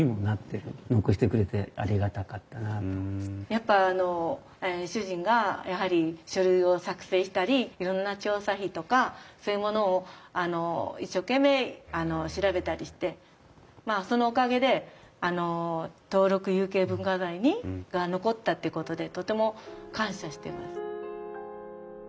やっぱ主人がやはり書類を作成したりいろんな調査費とかそういうものを一生懸命調べたりしてまあそのおかげであの登録有形文化財に残ったっていうことでとても感謝してます。